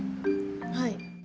はい。